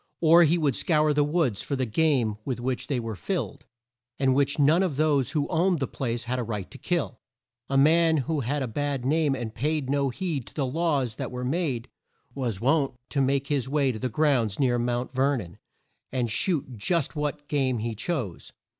Or he would scour the woods for the game with which they were filled, and which none but those who owned the place had a right to kill. A man who had a bad name and paid no heed to the laws that were made, was wont to make his way to the grounds near Mount Ver non and shoot just what game he chose.